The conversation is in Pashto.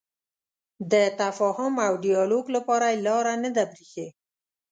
د تفاهم او ډیالوګ لپاره یې لاره نه ده پرېښې.